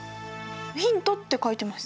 「ヒント」って書いてます。